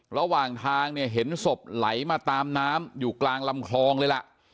ระหว่างทางเนี่ยเห็นศพไหลมาตามน้ำอยู่กลางลำคลองเลยล่ะ